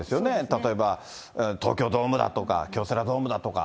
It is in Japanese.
例えば東京ドームだとか、京セラドームだとか。